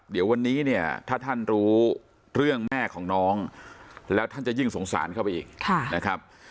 เดี๋ยววันนี้เนี่ยถ้าท่านรู้เรื่องแม่ของน้องแล้วท่านจะยิ่งสงสารเข้าไปอีกนะครับ